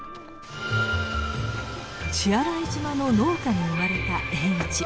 血洗島の農家に生まれた栄一。